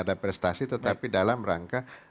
ada prestasi tetapi dalam rangka